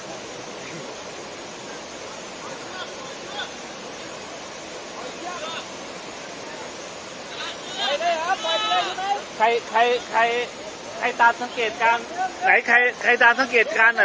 ออกแล้วออกแล้วออกแล้วออกแล้วออกแล้ว